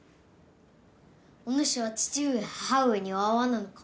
おぬしは父上母上には会わぬのか？